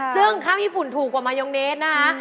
ซึ่งข้าวญี่ปุ่นถูกกว่ามายองเนสนะคะ